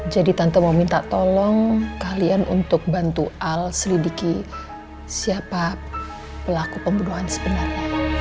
jadi tante mau minta tolong kalian untuk bantu al selidiki siapa pelaku pembunuhan sebenarnya